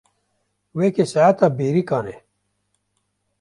Weke saeta bêrîkan e.